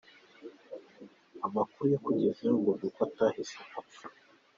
Amakuru yakugezeho ngo ni uko atahise apfa